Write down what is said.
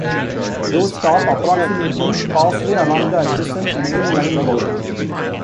Those stop approximately halfway along the adjacent main-line road.